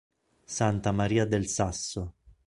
Santa Maria del Sasso